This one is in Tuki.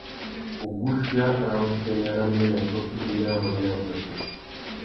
Wuguchia râ utênê râ mbeya tôkô ibi na yôbôt na yatsatu.